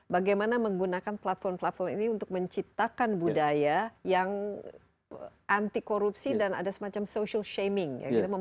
bagaimana menggunakan platform platform ini untuk menciptakan budaya yang anti korupsi dan ada semacam social shaming